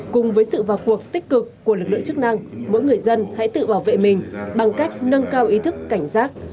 cùng với sự vào cuộc tích cực của lực lượng chức năng mỗi người dân hãy tự bảo vệ mình bằng cách nâng cao ý thức cảnh giác